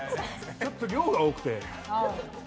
ちょっと量が多くて。